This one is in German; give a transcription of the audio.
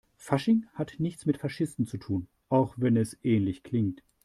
Fasching hat nichts mit Faschisten zu tun, auch wenn es ähnlich klingt.